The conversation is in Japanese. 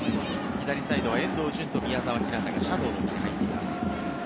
左サイドは遠藤純と宮澤ひなたがシャドーという形に入っています。